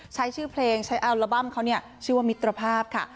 ใช้ชื่อเพลงใช้อัลบั้มเขาชื่อว่ามิตรภาพค่ะ